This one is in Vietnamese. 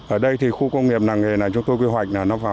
ở đây thì khu công nghiệp làng nghề này chúng tôi quy hoạch